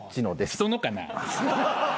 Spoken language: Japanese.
人のかな？